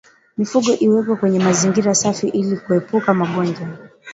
Mifugo iwekwe kwenye mazingira safi ili kuepuka magonjwa